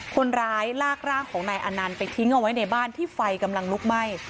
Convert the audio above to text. คนร้ายลากร่างของนายอนันต์ไปทิ้งเอาไว้ในบ้านที่ไฟกำลังลุกไหม้